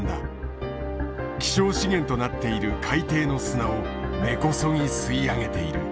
希少資源となっている海底の砂を根こそぎ吸い上げている。